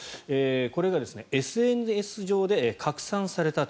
これがＳＮＳ上で拡散された。